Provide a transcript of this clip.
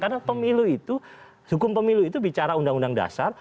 karena hukum pemilu itu bicara undang undang dasar